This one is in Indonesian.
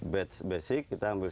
batch basic kita ambil